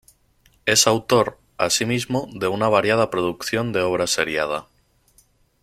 Es autor, asimismo, de una variada producción de obra seriada.